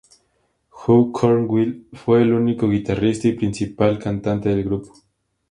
Hugh Cornwell, fue el único guitarrista y principal cantante del grupo.